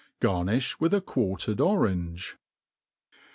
Garnifh with quartered orange.